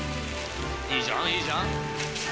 いいじゃんいいじゃん。